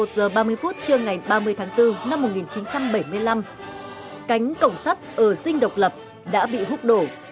đến một mươi một h ba mươi phút trưa ngày ba mươi tháng bốn năm một nghìn chín trăm bảy mươi năm cánh cổng sắt ở rình độc lập đã bị hút đổ